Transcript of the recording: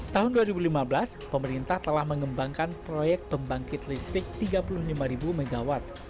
tahun dua ribu lima belas pemerintah telah mengembangkan proyek pembangkit listrik tiga puluh lima mw